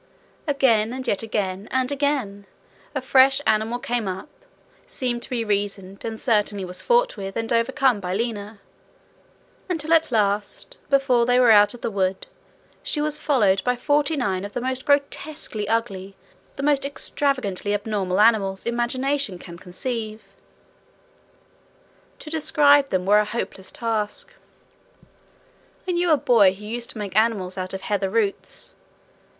Again, and yet again, and again, a fresh animal came up, seemed to be reasoned and certainly was fought with and overcome by Lina, until at last, before they were out of the wood, she was followed by forty nine of the most grotesquely ugly, the most extravagantly abnormal animals imagination can conceive. To describe them were a hopeless task. I knew a boy who used to make animals out of heather roots.